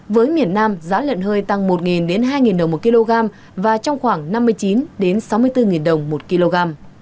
với miền nam giá lợn hơi tăng một hai đồng một kg và trong khoảng năm mươi chín sáu mươi bốn đồng một kg